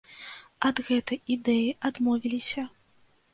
Ад гэтай ідэі адмовіліся.